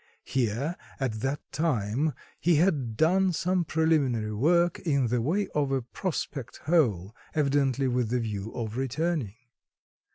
Here, at that time, he had done some preliminary work in the way of a prospect hole, evidently with the view of returning.